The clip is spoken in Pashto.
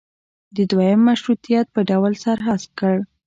د دویم مشروطیت په ډول سر هسک کړ.